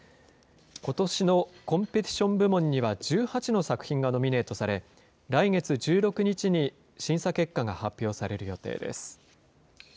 ことしのコンペティション部門には１８の作品がノミネートされ、来月１６日に審査結果が発表される予定です。